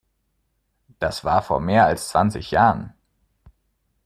Das war vor mehr als zwanzig Jahren!